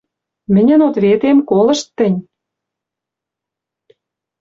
Мӹньӹн ответем колышт тӹнь.